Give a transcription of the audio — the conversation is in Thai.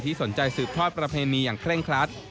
สนใจสืบทอดประเพณีอย่างเคร่งครัด